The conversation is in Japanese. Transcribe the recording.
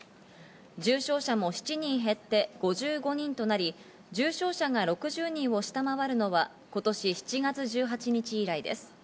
重症者も７人減って、５５人となり、重症者が６０人を下回るのは今年７月１８日以来です。